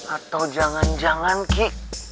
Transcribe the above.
atau jangan jangan ki